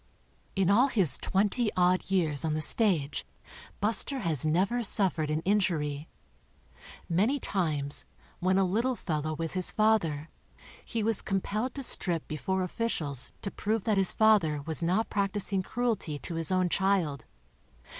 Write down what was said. In all his twenty odd years on tVie^stage Buster has never suffered an injury. Many times, when a little fellow' with his father, he was compelled to strip before officials to prove that his father was not practicing cruelty to his own child.